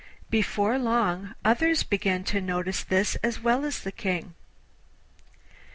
Before long others began to notice this as well as the King.